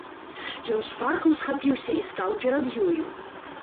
Ён шпарка ўсхапіўся і стаў перад ёю.